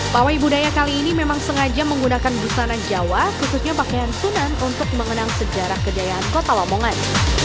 pawai budaya kali ini memang sengaja menggunakan busana jawa khususnya pakaian sunan untuk mengenang sejarah kejayaan kota lamongan